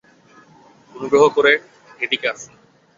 অনুগ্রহ করে, এদিকে আসুন।